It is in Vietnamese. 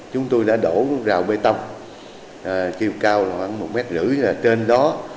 chúng tôi đã đổ rào bê tông chiều cao khoảng một m ba mươi trên đó